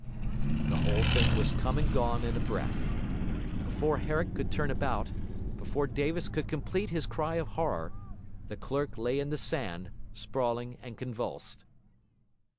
The whole thing was come and gone in a breath. Before Herrick could turn about, before Davis could complete his cry of horror, the clerk lay in the sand, sprawling and convulsed.